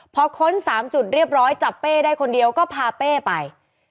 พอค้น๓จุดเรียบร้อยจับเป้ได้คนเดียวก็พาเป้ไป